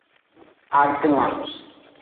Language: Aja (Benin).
Aglan.